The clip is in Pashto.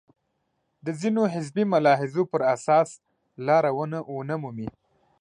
د ځینو حزبي ملاحظو پر اساس لاره ونه مومي.